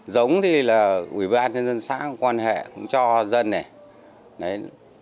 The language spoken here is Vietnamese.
giống thì là ủy ban nhân dân xã quan hệ cũng cho dân này